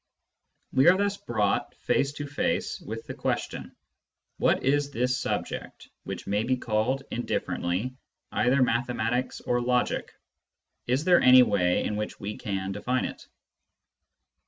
We are thus brought face to face with the question : What is this subject, which may be called indifferently either mathe matics or logic ? Is there any way in which we can define it